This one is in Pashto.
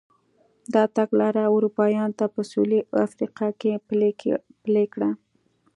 دا تګلاره اروپایانو په سوېلي افریقا کې پلې کړه.